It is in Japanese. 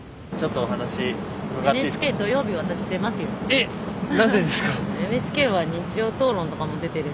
えっ！何でですか？